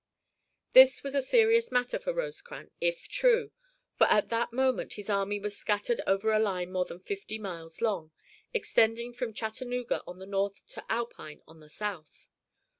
This was a serious matter for Rosecrans, if true, for at that moment his army was scattered over a line more than fifty miles long, extending from Chattanooga on the north to Alpine on the south.